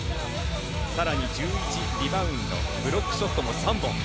さらに１１リバウンドブロックショットも３本。